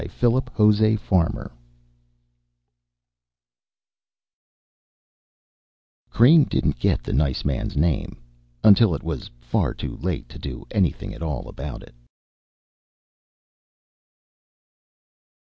Philip José Farmer_ Crane didn't get the nice man's name until it was far too late to do anything at all about it.